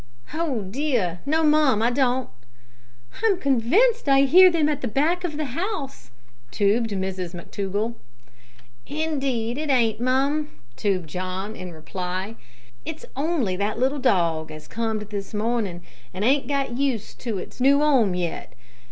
"Oh, dear! no, mum, I don't." "I'm convinced I hear them at the back of the house!" tubed Mrs McTougall. "Indeed it ain't, mum," tubed John in reply. "It's on'y that little dog as comed this morning and ain't got used to its noo 'ome yet.